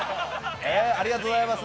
ありがとうございます。